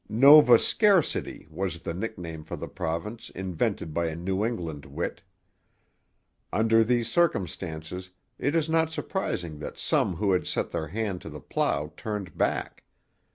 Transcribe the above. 'Nova Scarcity' was the nickname for the province invented by a New England wit. Under these circumstances it is not surprising that some who had set their hand to the plough turned back.